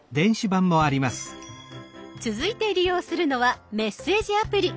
続いて利用するのはメッセージアプリ。